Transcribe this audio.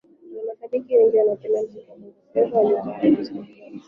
kuna mashabiki wengi wanaopenda muziki wa bongo fleva walio tayari kusikiliza muziki